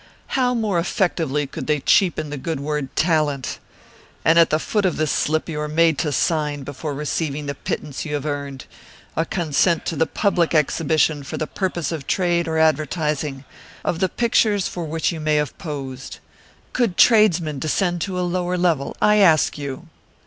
How more effectively could they cheapen the good word 'talent'? And at the foot of this slip you are made to sign, before receiving the pittance you have earned, a consent to the public exhibition for the purpose of trade or advertising, of the pictures for which you may have posed. Could tradesmen descend to a lower level, I ask you?"